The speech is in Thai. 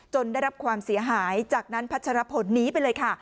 ได้รับความเสียหายจากนั้นพัชรพลหนีไปเลยค่ะ